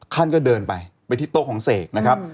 ท่านก็เดินไปไปที่โต๊ะของเสกนะครับ